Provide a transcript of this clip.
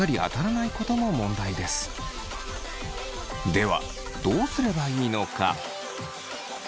ではどうすればいいのか？